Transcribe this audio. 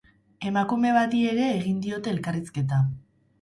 Emakume bati ere egin diote elkarrizketa.